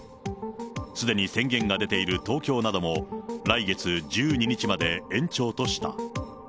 すでに宣言が出ている東京なども、来月１２日まで延長とした。